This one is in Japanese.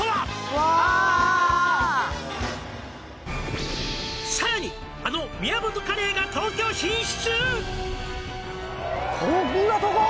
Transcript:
わあ「さらにあの宮本カレーが東京進出！？」